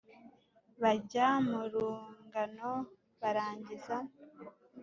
bajya mu rungano barangiza